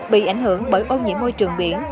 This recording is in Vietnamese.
bị ảnh hưởng bởi ô nhiễm môi trường biển